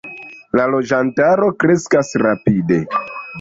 La loĝantaro kreskas rapide.